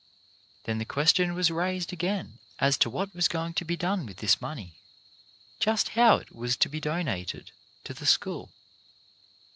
Then the ques tion was raised again as to what was going to be done with this money — just how it was to be donated to the school.